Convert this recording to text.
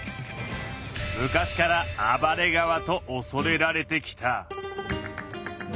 昔から「暴れ川」とおそれられてきた。